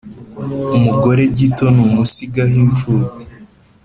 Umugore gito ntumusigaho impfubyi.